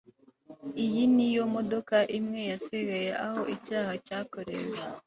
iyi niyo modoka imwe yasigaye aho icyaha cyakorewe